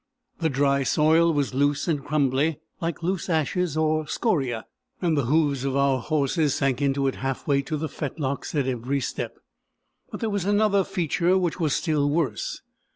The dry soil was loose and crumbly, like loose ashes or scoriæ, and the hoofs of our horses sank into it half way to the fetlocks at every step. But there was another feature which was still worse.